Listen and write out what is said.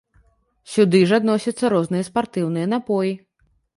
Сюды ж адносяцца розныя спартыўныя напоі.